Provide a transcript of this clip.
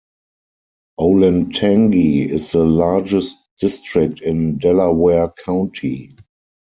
Olentangy is the largest district in Delaware County.